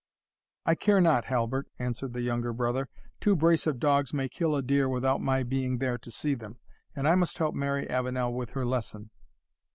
"I care not, Halbert," answered the younger brother; "two brace of dogs may kill a deer without my being there to see them, and I must help Mary Avenel with her lesson."